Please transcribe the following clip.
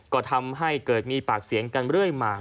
ก็ทำให้เกิดมีปากเสียงกันเรื่อยมา